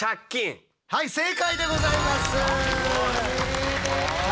はい正解でございます！